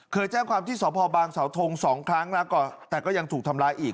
เคยแจ้งความที่สภบางสธ๒ครั้งแต่ก็ยังถูกทำร้ายอีก